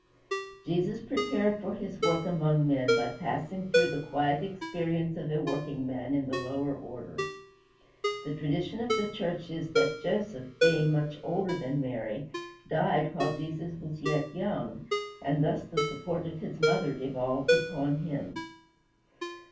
Jesus prepared for his work among men by passing through the quiet experience of a workingman in the lower orders. The tradition of the church is that Joseph, being much older than Mary, died while Jesus was yet young, and thus the support of his mother devolved upon him.